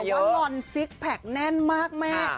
แต่ว่าลอนซิกแผลกแน่นมากแม่ก